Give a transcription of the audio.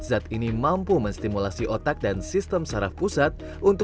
zat ini mampu menstimulasi otak dan sistem saraf pusat